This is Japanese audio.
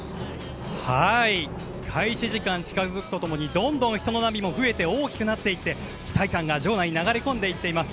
開始時間が近づくと共にどんどん人の波も増えて大きくなっていって期待感が場内に流れ込んでいます。